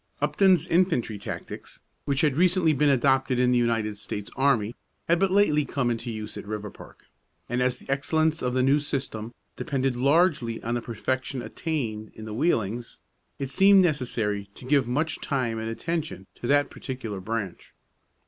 Upton's infantry tactics, which had recently been adopted in the United States Army, had but lately come into use at Riverpark; and as the excellence of the new system depended largely on the perfection attained in the wheelings, it seemed necessary to give much time and attention to that particular branch.